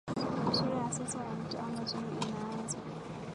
Sura ya sasa ya Mto Amazon inaanzia